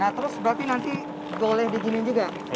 nah terus berarti nanti boleh digini juga